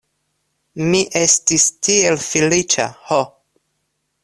Mi estis tiel feliĉa ho!